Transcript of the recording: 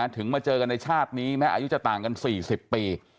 ถึงมาเจอกันในชาตินี้แม้อายุจะต่างกัน๔๐ปี